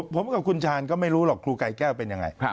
ผมกับคุณชาญก็ไม่รู้หรอกครูกายแก้วเป็นยังไง